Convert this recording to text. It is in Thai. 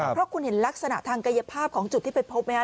เพราะคุณเห็นลักษณะทางกายภาพของจุดที่ไปพบไหมฮ